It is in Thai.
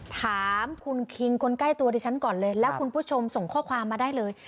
ถามคุณคิงคนใกล้ตัวดิฉันก่อนเลยแล้วคุณผู้ชมส่งข้อความมาได้เลย